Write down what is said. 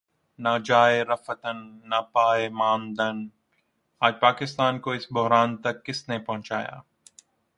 نہ جائے رفتن نہ پائے ماندن آج پاکستان کو اس بحران تک کس نے پہنچایا؟